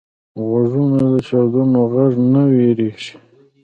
غوږونه د چاودنو غږ نه وېریږي